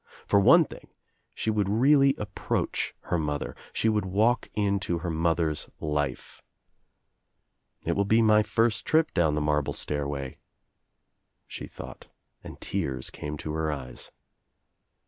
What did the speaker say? For one thing she would really approach her mother, she would walk into her mother's life. "It will be my first trip down the marble stairway," she thought and tears came to her eyes.